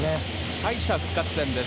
敗者復活戦です。